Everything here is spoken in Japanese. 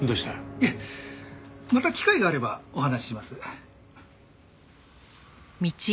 いえまた機会があればお話しします。